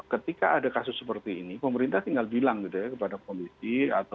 ketika ada kasus seperti ini pemerintah tinggal bilang gitu ya kepada polisi